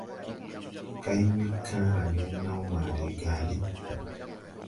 Kay we kããra nen naw ma de gàlí.